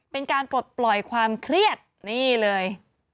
เป็นการปลดปล่อยความเครียดนี่เลย